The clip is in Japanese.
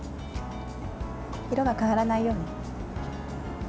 色が変わらないように。